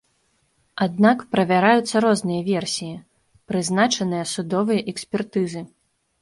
Аднак правяраюцца розныя версіі, прызначаныя судовыя экспертызы.